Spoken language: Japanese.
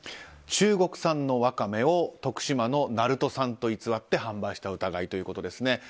中国産のワカメを徳島の鳴門産と偽って販売した疑いということですね。